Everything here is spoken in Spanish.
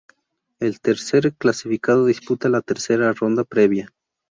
El tercer clasificado disputa la tercera ronda previa.